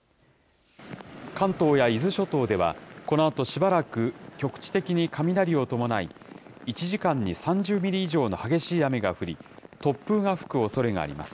関東や伊豆諸島では、このあとしばらく局地的に雷を伴い、１時間に３０ミリ以上の激しい雨が降り、突風が吹くおそれがあります。